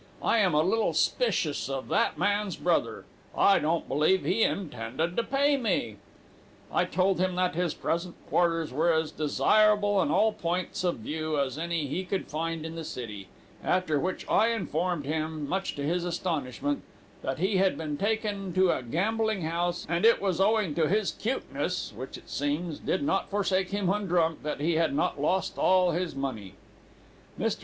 I am a little 'spicious of that man's brother. I don't believe he intended to pay me.' "I told him that his present quarters were as desirable, in all points of view, as any he could find in the city, after which I informed him, much to his astonishment, that he had been taken to a gambling house, and it was owing to his 'cuteness,' which, it seems, did not forsake him when drunk, that he had not lost all his money. "Mr.